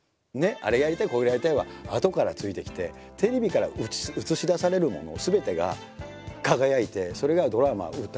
「これがやりたい」はあとからついてきてテレビから映し出されるものすべてが輝いてそれがドラマ歌